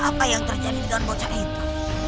apa yang terjadi di dalam bocah itu